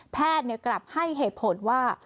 แพทย์กลับให้เหตุผลว่า